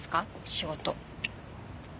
仕事。